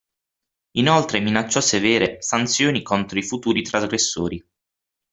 Inoltre minacciò severe sanzioni contro i futuri trasgressori.